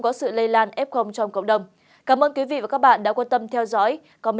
có sự lây lan f trong cộng đồng cảm ơn quý vị và các bạn đã quan tâm theo dõi